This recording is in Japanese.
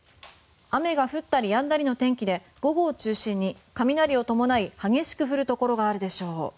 雨が降ったりやんだりの天気で午後を中心に雷を伴い激しく降るところがあるでしょう。